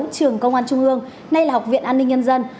trường công an trung ương nay là học viện an ninh nhân dân